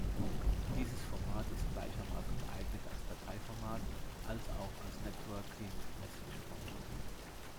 Dieses Format ist gleichermaßen geeignet als Dateiformat als auch als Networking-Message-Format.